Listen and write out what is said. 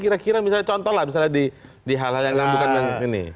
kira kira misalnya contoh lah misalnya di hal hal yang bukan ini